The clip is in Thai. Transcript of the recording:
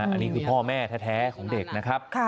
อันนี้คือพ่อแม่แท้ของเด็กนะครับ